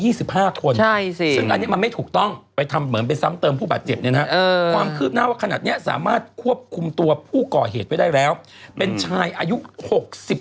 ซึ่งอันนี้มันไม่ถูกต้องไปทำเหมือนไปซ้ำเติมผู้บาดเจ็บเนี่ยนะฮะความคืบหน้าว่าขนาดเนี้ยสามารถควบคุมตัวผู้ก่อเหตุไว้ได้แล้วเป็นชายอายุหกสิบ